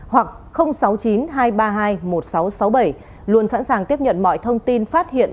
hoặc sáu mươi chín hai trăm ba mươi hai một nghìn sáu trăm sáu mươi bảy luôn sẵn sàng tiếp nhận mọi thông tin phát hiện